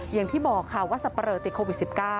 อย่างที่บอกค่ะว่าสับปะเลอติดโควิด๑๙